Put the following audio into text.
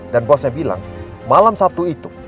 dan bosnya bilang malam sabtu itu